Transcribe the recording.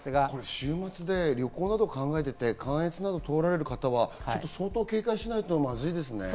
週末で旅行などを考えていて関越道を通られる方などは相当警戒しないとまずいですね。